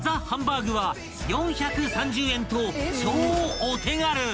ハンバーグは４３０円と超お手軽］